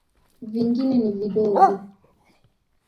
Vingine ni vidogo.